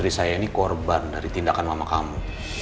istri saya ini korban dari tindakan mama kamu